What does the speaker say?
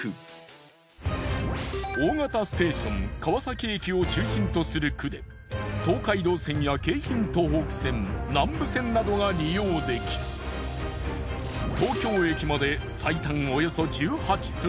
大型ステーション川崎駅を中心とする区で東海道線や京浜東北線南武線などが利用でき東京駅まで最短およそ１８分。